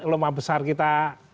ulama besar kita